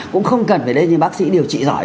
cũng không cần phải bác sĩ điều trị giỏi